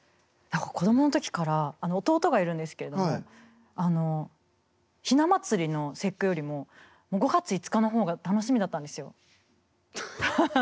何か子供の時から弟がいるんですけれどもひな祭りの節句よりも５月５日の方が楽しみだったんですよ。